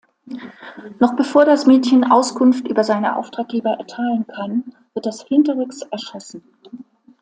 Noch bevor das Mädchen Auskunft über seine Auftraggeber erteilen kann, wird es hinterrücks erschossen.